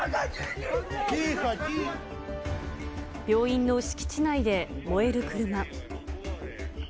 病院の敷地内で燃える車。